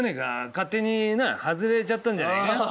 勝手にな外れちゃったんじゃねえかな？